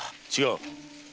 違う。